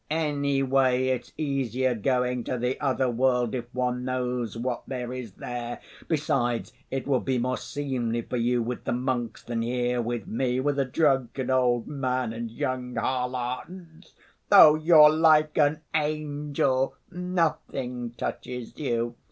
Anyway it's easier going to the other world if one knows what there is there. Besides, it will be more seemly for you with the monks than here with me, with a drunken old man and young harlots ... though you're like an angel, nothing touches you.